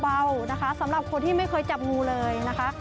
เบานะคะสำหรับคนที่ไม่เคยจับงูเลยนะคะ